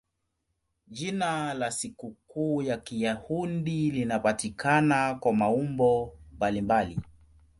Jina la sikukuu ya Kiyahudi linapatikana kwa maumbo mbalimbali.